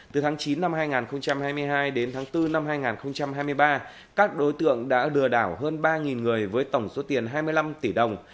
từ tháng chín năm hai nghìn hai mươi hai đến tháng bốn năm hai nghìn hai mươi ba các đối tượng đã lừa đảo hơn ba người với tổng số tiền hai mươi năm tỷ đồng